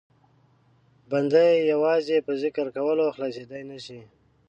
بنده یې یوازې په ذکر کولو خلاصېدای نه شي.